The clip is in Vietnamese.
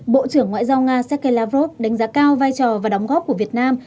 bộ trưởng ngoại giao nga sergei lavrov đánh giá cao vai trò và đóng góp của việt nam